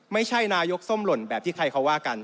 ไม่ใช่นายกส้มหล่นแบบที่ใครเขาว่ากัน